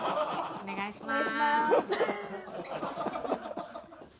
お願いします。